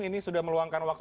ini sudah meluangkan waktu